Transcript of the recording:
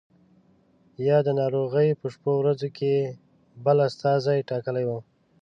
یا د ناروغۍ په شپو ورځو کې بل استازی ټاکلی وو.